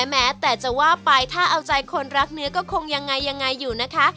แม้แต่จะว่าไปถ้าเอาใจคนรักเนื้อก็คงยังไงยังไงอยู่นะคะ